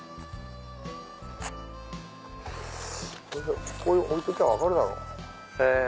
ここへ置いときゃ分かるだろ。